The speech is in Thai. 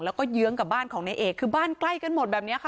แล้วก็เยื้องกับบ้านของนายเอกคือบ้านใกล้กันหมดแบบนี้ค่ะ